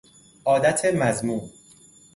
عادت مذموم